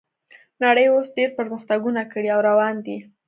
نړۍ اوس ډیر پرمختګونه کړي او روان دي